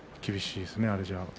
厳しいですね。